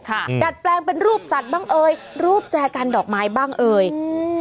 ดัดแปลงเป็นรูปสัตว์บ้างเอ่ยรูปแจกันดอกไม้บ้างเอ่ยอืม